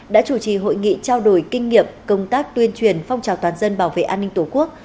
đã chủ trì hội nghị trao đổi kinh nghiệm công tác tuyên truyền phong trào toàn dân bảo vệ an ninh tổ quốc